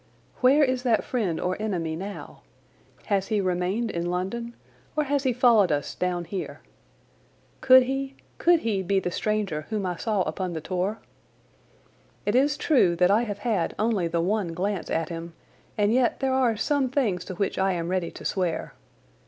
Where is that friend or enemy now? Has he remained in London, or has he followed us down here? Could he—could he be the stranger whom I saw upon the tor? It is true that I have had only the one glance at him, and yet there are some things to which I am ready to swear.